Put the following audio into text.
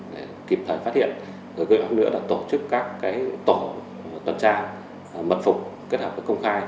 để kịp thời phát hiện rồi cơ hội nữa là tổ chức các tổ tuần tra mật phục kết hợp với công khai